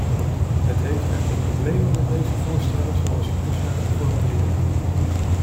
Het heeft echter problemen met deze voorstellen zoals ze nu zijn geformuleerd.